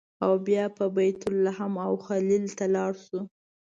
او بیا به بیت لحم او الخلیل ته لاړ شو.